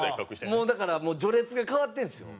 もうだから序列が変わってるんですよ。